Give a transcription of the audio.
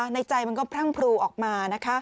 ในใจมันก็พร่างพรูออกมา